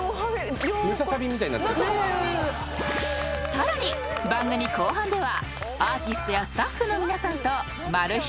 ［さらに番組後半ではアーティストやスタッフの皆さんとマル秘